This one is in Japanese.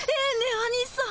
アニさん。